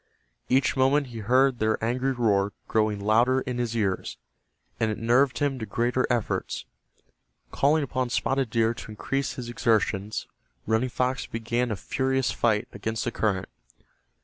Each moment he heard their angry roar growing louder in his ears, and it nerved him to greater efforts. Calling upon Spotted Deer to increase his exertions Running Fox began a furious fight against the current.